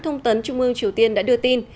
thông tấn trung ương triều tiên đã đưa tin